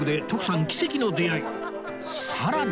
さらに